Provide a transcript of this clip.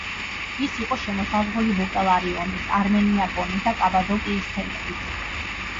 ის იყო შემოსაზღვრული ბუკელარიონის, არმენიაკონის და კაპადოკიის თემებით.